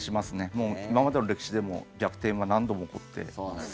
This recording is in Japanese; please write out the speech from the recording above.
もう今までの歴史でも逆転は何度も起こってます。